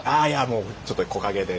もうちょっと木陰で。